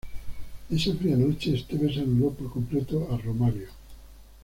Esa fría noche, Esteves anuló por completo a Romario.